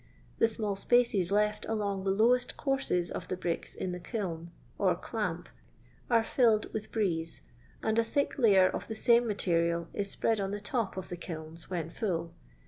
The small apaces left among the lowest courses of the bricks in the kiln, or "clamp," are filled with " brieze," and a thick layer of the same material is spread on the top of the kilns, when full.